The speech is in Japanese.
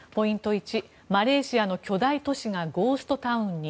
１マレーシアの巨大都市がゴーストタウンに。